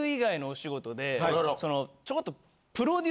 ちょこっと。